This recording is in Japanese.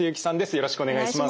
よろしくお願いします。